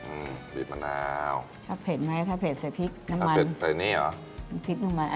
อืมบีบมะนาวชอบเผ็ดไหมถ้าเผ็ดใส่พริกน้ำมันใส่นี่เหรอพริกน้ำมัน